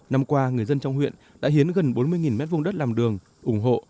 năm qua người dân trong huyện đã hiến gần bốn mươi m hai đất làm đường ủng hộ